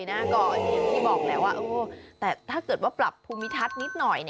อย่างที่บอกแหละว่าแต่ถ้าเกิดว่าปรับภูมิทัศน์นิดหน่อย